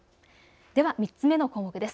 では３つ目の項目です。